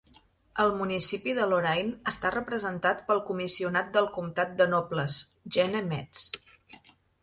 El municipi de Lorain està representat pel comissionat del comtat de Nobles, Gene Metz.